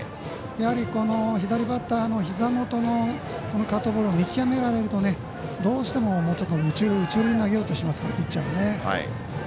やはり、左バッターのひざ元のカットボールを見極められると、どうしてももうちょっと、内寄りに投げようとしますからピッチャーが。